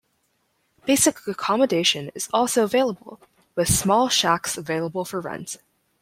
Basic accommodation is also available, with small shacks available for rent.